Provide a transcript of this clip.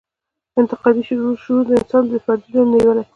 انتقادي شعور د انسان له فردي ژوند نېولې.